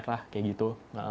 lah kayak gitu